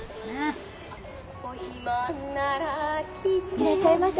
いらっしゃいませ。